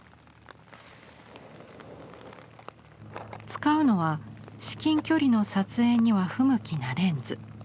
使うのは至近距離の撮影には不向きなレンズ。